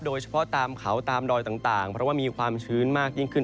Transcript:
โดยเฉพาะตามเขาตามดอยต่างเพราะว่ามีความชื้นมากยิ่งขึ้น